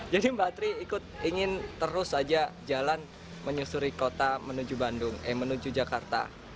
jadi mbah tri ikut ingin terus aja jalan menyusuri kota menuju jakarta